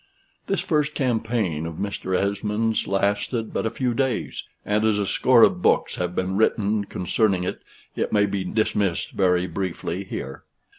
This first campaign of Mr. Esmond's lasted but a few days; and as a score of books have been written concerning it, it may be dismissed very briefly here.